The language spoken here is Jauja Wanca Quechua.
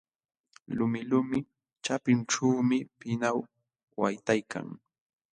Lumilumi ćhapinćhuumi pinaw waytaykan.